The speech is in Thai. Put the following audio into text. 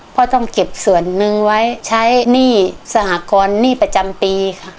ต้องเก็บส่วนหนึ่งไว้ใช้หนี้สหกรณ์หนี้ประจำปีค่ะ